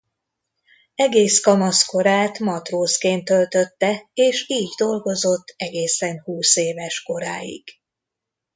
Egész kamaszkorát matrózként töltötte és így dolgozott egészen húszéves koráig.